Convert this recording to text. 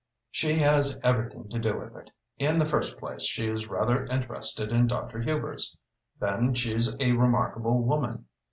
"She has everything to do with it. In the first place, she is rather interested in Dr. Hubers. Then she's a remarkable woman.